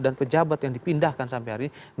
dan pejabat yang dipindahkan sampai hari ini